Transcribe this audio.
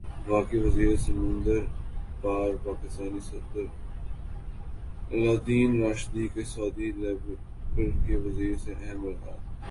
وفاقی وزیر سمندر پار پاکستانی صدر الدین راشدی کی سعودی لیبر کے وزیر سے اہم ملاقات